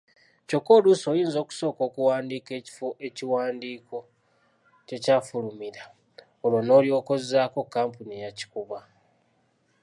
Kyokka oluusi oyinza okusooka okuwandiika ekifo ekiwandiiko gye kyafulumira olwo n’olyoka ozzaako kampuni eyakikuba.